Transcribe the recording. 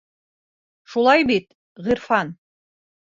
Шулай бит Ғирфан?